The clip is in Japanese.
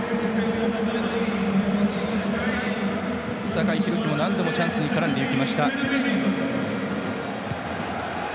酒井宏樹も何度もチャンスに絡んでいきました。